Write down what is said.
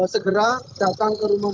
segera datang ke rumahnya